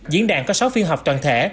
diễn đàn có sáu phiên họp toàn thể